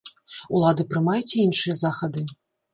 Улады прымаюць і іншыя захады.